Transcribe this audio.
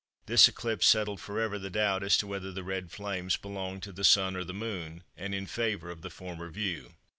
This eclipse settled for ever the doubt as to whether the Red Flames belonged to the Sun or the Moon, and in favour of the former view.